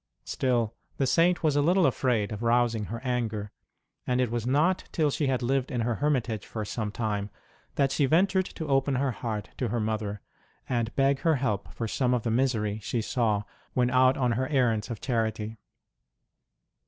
Still, the Saint was a little afraid of rousing her anger ; and it w r as not till she had lived in her hermitage for some time that she ventured to open her heart to her mother, and beg her help for some of the misery she saw when out on her errands of charity.